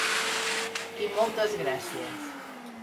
I moltes gràcies.